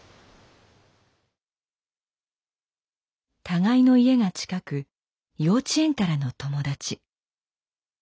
互いの家が近く幼稚園からの友達。